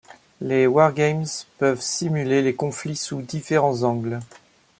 Les wargames peuvent simuler les conflits sous différents angles.